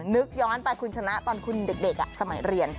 นึกย้อนไปคุณชนะตอนคุณเด็กสมัยเรียน